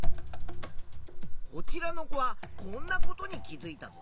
こちらの子はこんなことに気づいたぞ。